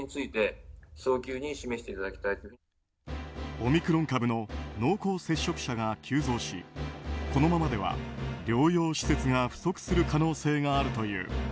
オミクロン株の濃厚接触者が急増しこのままでは療養施設が不足する可能性があるという。